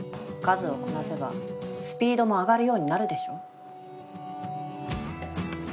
数をこなせばスピードも上がるようになるでしょ。